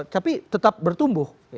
tapi tetap bertumbuh